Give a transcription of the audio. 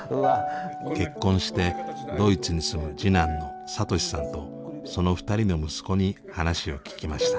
結婚してドイツに住む次男の聡さんとその２人の息子に話を聞きました。